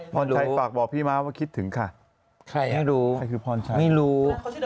ฟีพายบอกพี่มาว่าคิดถึงค่ะใครทั้งดูก็คือผ่อนชายไม่รู้